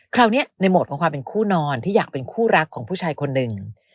คราวนี้ในโหมดของความเป็นคู่นอนที่อยากเป็นคู่รักของผู้ชายคนหนึ่ง